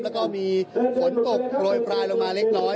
แล้วก็มีฝนตกโปรยปลายลงมาเล็กน้อย